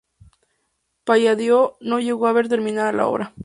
Palladio no llegó a ver terminada la obra.